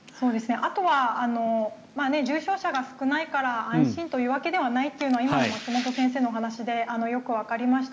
あとは重症者が少ないから安心というわけではないというのは今の松本先生のお話でよくわかりました。